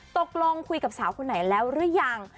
ตกลงคุยกับสาวคนไหนแล้วหรือยัง